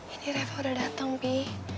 ini ref udah dateng pi